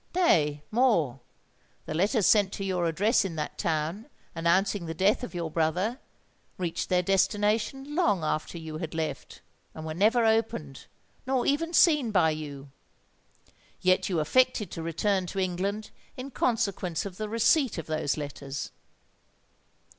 Nay, more—the letters sent to your address in that town, announcing the death of your brother, reached their destination long after you had left, and were never opened—nor even seen by you! Yet you affected to return to England in consequence of the receipt of those letters."